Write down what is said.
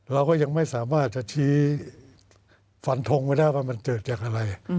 เราก็ยังไม่สามารถจะชี้ฟันทงไว้ได้ว่ามันเกิดจากอะไร